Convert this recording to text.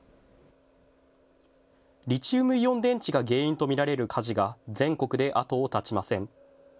リチウムイオン電池が原因と見られる火事が全国で後を絶ちません。